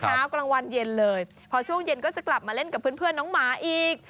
กลางวันเย็นเลยพอช่วงเย็นก็จะกลับมาเล่นกับเพื่อนน้องหมาอีก